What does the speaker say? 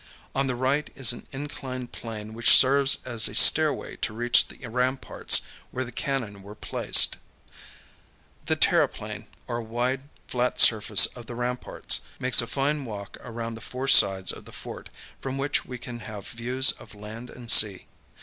On the right is an inclined plane which serves as a stairway to reach the ramparts where the cannon were placed. The terre plein, or wide, flat surface of the ramparts, makes a fine walk around the four sides of the fort from which we can have views of land and sea.